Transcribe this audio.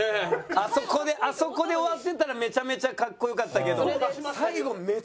あそこであそこで終わってたらめちゃめちゃかっこよかったけど。